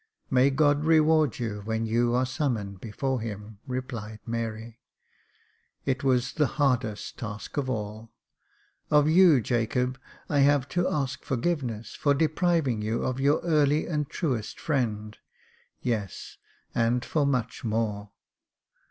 " May God reward you, when you are summoned before Him," replied Mary. " It was the hardest task of all. Of you, Jacob, I have to ask forgiveness for depriving you of your early and truest friend — yes, and for much more.